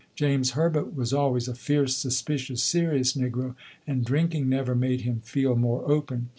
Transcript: James Herbert was always a fierce, suspicious, serious negro, and drinking never made him feel more open.